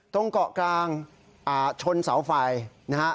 ตรงเกาะกลางชนเสาไฟนะฮะ